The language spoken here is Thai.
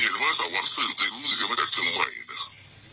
เห็นว่าสวัสดินภูมิรู้สึกอยู่ใจแก่เชียงใหม่นะ